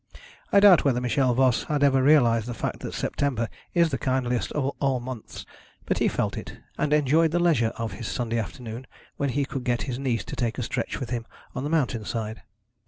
I doubt whether Michel Voss had ever realised the fact that September is the kindliest of all the months, but he felt it, and enjoyed the leisure of his Sunday afternoon when he could get his niece to take a stretch with him on the mountain side.